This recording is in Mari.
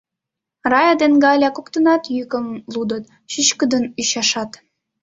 Рая ден Галя коктынат йӱкын лудыт, чӱчкыдын ӱчашат.